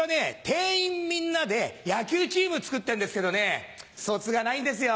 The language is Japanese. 店員みんなで野球チーム作ってんですけどねそつがないんですよ。